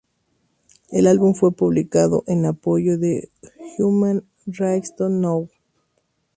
El álbum fue publicado en apoyo de "Human Rights Now!